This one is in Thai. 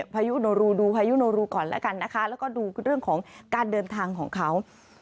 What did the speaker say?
พายุโนรูดูก่อนแล้วก็ดูเรื่องของการเดินทางของเขา